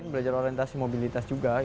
belajar orientasi mobilitas juga